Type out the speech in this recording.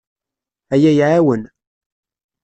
Aya iɛawen.